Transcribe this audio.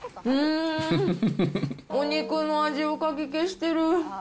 うーん、お肉の味をかき消してる。